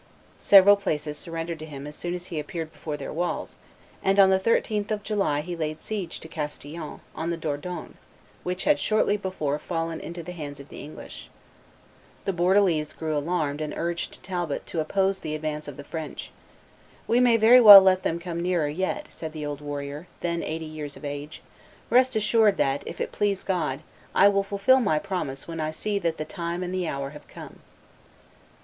Several places surrendered to him as soon as he appeared before their walls; and on the 13th of July he laid siege to Castillon, on the Dordogne, which had shortly before fallen into the hands of the English. The Bordelese grew alarmed and urged Talbot to oppose the advance of the French. "We may very well let them come nearer yet," said the old warrior, then eighty years of age; "rest assured that, if it please God, I will fulfil my promise when I see that the time and the hour have come."